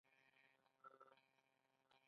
دا د طبیعت قانون دی.